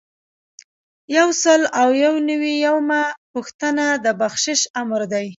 یو سل او یو نوي یمه پوښتنه د بخشش آمر دی.